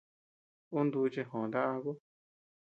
Un duchi joota aku.